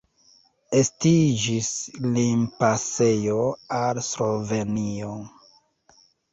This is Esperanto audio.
Estiĝis limpasejo al Slovenio.